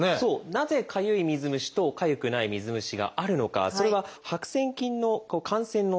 なぜかゆい水虫とかゆくない水虫があるのかそれは白癬菌の感染のしかたによって分かるんですね。